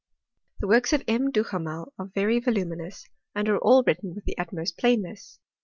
The works of M. Duhamel are very voluminous, and are all written with the utmost plainness.